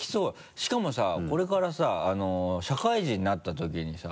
しかもさこれからさ社会人になったときにさ